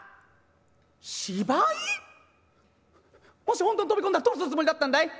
もし本当に飛び込んだらどうするつもりだったんだい？」。